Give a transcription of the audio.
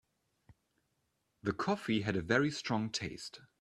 The coffee had a very strong taste.